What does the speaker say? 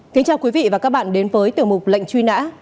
kính chào quý vị và các bạn đến với tiểu mục lệnh truy nã